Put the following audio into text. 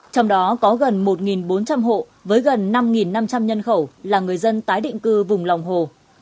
trong đó có gần một bốn trăm linh hộ với gần năm năm trăm linh nhân khẩu là người dân tái định cư vùng lòng hồ